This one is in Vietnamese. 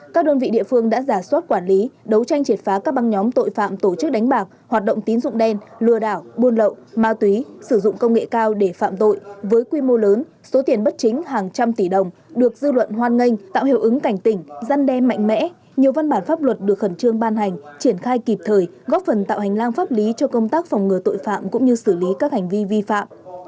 các đơn vị địa phương đã giả soát quản lý đấu tranh triệt phá các băng nhóm tội phạm tổ chức đánh bạc hoạt động tín dụng đen lừa đảo buôn lậu ma túy sử dụng công nghệ cao để phạm tội với quy mô lớn số tiền bất chính hàng trăm tỷ đồng được dư luận hoan nghênh tạo hiệu ứng cảnh tỉnh dăn đem mạnh mẽ nhiều văn bản pháp luật được khẩn trương ban hành triển khai kịp thời góp phần tạo hành lang pháp lý cho công tác phòng ngừa tội phạm cũng như xử lý các hành vi vi phạm